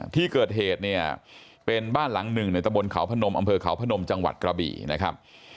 ที่เกิดเหตุเนี่ยเป็นบ้านหลังหนึ่งในตะบนเขาพนมอำเภอเขาพนมจังหวัดกระบี่นะครับ